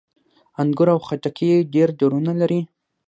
انګور او خټکي یې ډېر ډولونه لري.